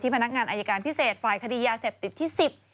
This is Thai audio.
พนักงานอายการพิเศษฝ่ายคดียาเสพติดที่สิบ